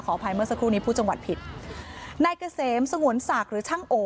อภัยเมื่อสักครู่นี้พูดจังหวัดผิดนายเกษมสงวนศักดิ์หรือช่างโอ